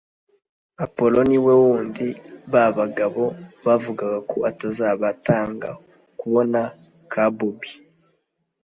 appolo niwe wundi babagabo bavugaga ko azabatanga kubona ka bobi